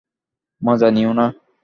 মজা নিও না।